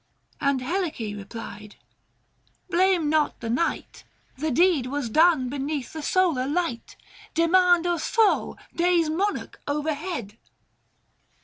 " And Helice replied, " Blame not the night, The deed was done beneath the solar light. Demand of Sol, day's monarch overhead